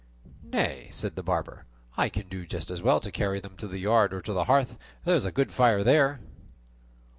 "Nay," said the barber, "I can do just as well to carry them to the yard or to the hearth, and there is a very good fire there."